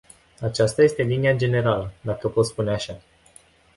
Aceasta este linia generală, dacă pot spune așa.